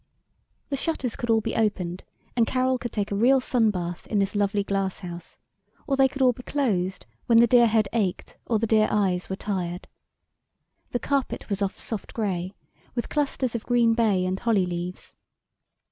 The shutters could all be opened and Carol could take a real sun bath in this lovely glass house, or they could all be closed when the dear head ached or the dear eyes were tired. The carpet was of soft grey, with clusters of green bay and holly leaves.